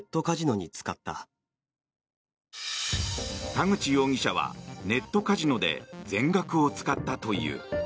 田口容疑者はネットカジノで全額を使ったという。